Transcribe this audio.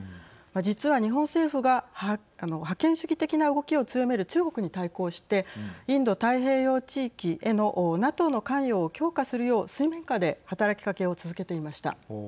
実は日本政府が覇権主義的な動きを強める中国に対抗してインド太平洋地域へのＮＡＴＯの関与を強化するよう水面下で働きかけを続けていました。